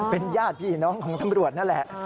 เป็นญาติพี่น้องของตำรวจนั่นแหละ